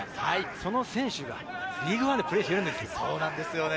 その選手がリーグワンでプレーしているんですよ。